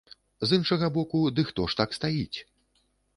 З іншага боку, ды хто ж так стаіць?